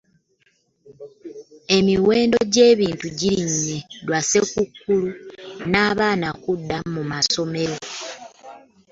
emiwendo gyebintu girinnye lwa ssekukkulu na baana kudda mu masomero.